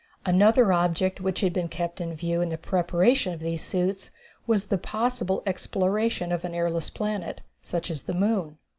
Another object which had been kept in view in the preparation of these suits was the possible exploration of an airless planet, such as the moon.